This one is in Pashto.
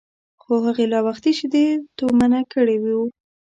خو هغې لا وختي شیدې تومنه کړي وو.